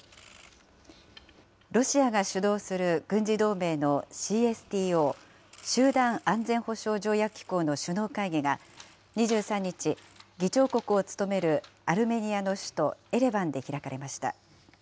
ロシアが主導する軍事同盟のＣＳＴＯ・集団安全保障条約機構の首脳会議が２３日、議長国を務めるアルメニアの首都エレバンで開かれました。